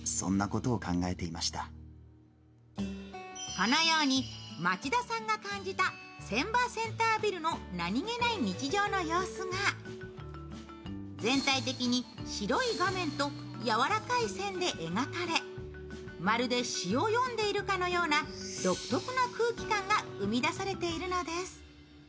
このように、町田さんが感じた船場センタービルの何気ない日常の様子が全体的に白い場面とやわらかい線で描かれまるで詩を読んでいるかのような独特な空気感が生み出されているのです。